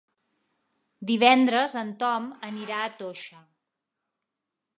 Divendres en Tom anirà a Toixa.